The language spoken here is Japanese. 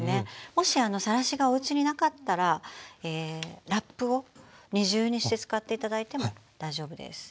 もしさらしがおうちになかったらラップを二重にして使って頂いても大丈夫です。